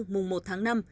mùng một tháng năm